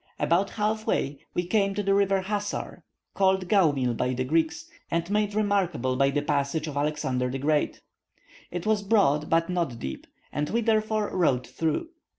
About half way, we came to the river Hasar, called Gaumil by the Greeks, and made remarkable by the passage of Alexander the Great. It was broad, but not deep, and we therefore rode through.